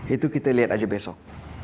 itu kita lihat aja besok